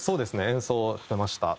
演奏してました。